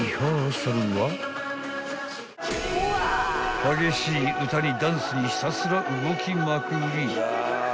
［激しい歌にダンスにひたすら動きまくり］